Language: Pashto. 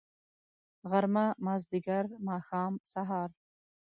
غرمه . مازدیګر . ماښام .. سهار